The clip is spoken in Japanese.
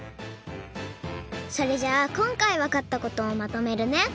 それじゃあこんかいわかったことをまとめるね！